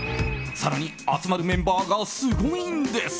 更に、集まるメンバーがすごいんです。